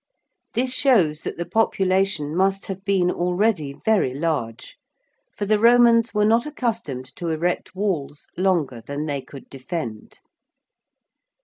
This shows that the population must have been already very large, for the Romans were not accustomed to erect walls longer than they could defend.